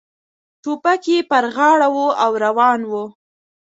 ټوپک یې پر غاړه و او روان و.